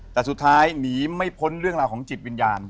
แต่สุดท้ายหนีไม่พ้นเรื่องราวของจิตวิญญาณ